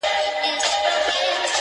شال پوشان دزمانې ګرځي شړئ کې